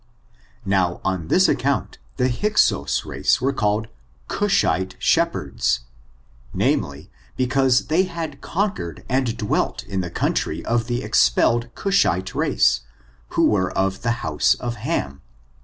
Now, on this account, the Hyc sos race were called CushUe Shepherds^ namely, because they had con quered and dwelt in the country of the expelled Cush* ite race, who were of the house of Ham.